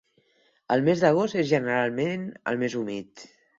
El mes d'agost és generalment el més humit.